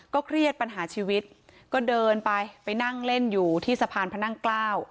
เครียดปัญหาชีวิตก็เดินไปไปนั่งเล่นอยู่ที่สะพานพระนั่งเกล้า